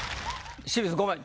清水ごめん。